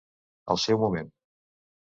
Al seu moment.